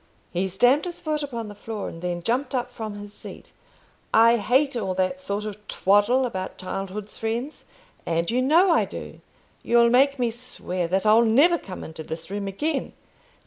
He stamped his foot upon the floor, and then jumped up from his seat. "I hate all that sort of twaddle about childhood's friends, and you know I do. You'll make me swear that I'll never come into this room again."